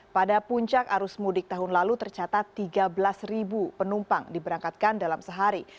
pada puncak arus mudik tahun lalu tercatat tiga belas penumpang diberangkatkan dalam sehari